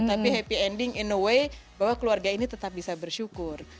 tapi happy ending in away bahwa keluarga ini tetap bisa bersyukur